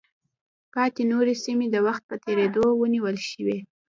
پاتې نورې سیمې د وخت په تېرېدو ونیول شوې.